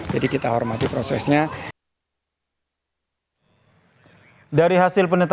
jadi kita hormati prosesnya